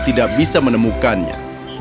tidak bisa menemukannya